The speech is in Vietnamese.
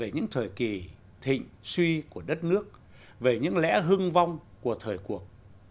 những thời kỳ thịnh suy của đất nước về những lẽ hưng vong của thời cuộc